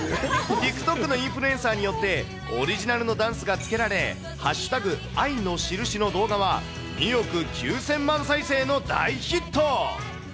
ＴｉｋＴｏｋのインフルエンサーによって、オリジナルのダンスがつけられ、＃愛のしるしの動画は、２億９０００万回再生の大ヒット。